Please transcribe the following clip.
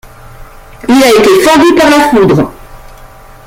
Il a été fendu par la foudre.